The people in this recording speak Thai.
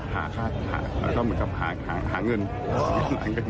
หาค่าค่าก็เหมือนหาเงิน